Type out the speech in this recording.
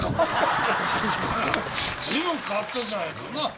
随分変わったじゃないかなぁ？